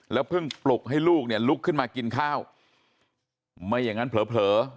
เพิ่งปลุกให้ลูกเนี่ยลุกขึ้นมากินข้าวไม่อย่างนั้นเผลอ